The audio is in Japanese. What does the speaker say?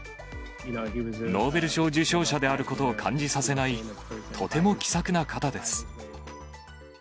ノーベル賞受賞者であることを感じさせない、とても気さくな方です。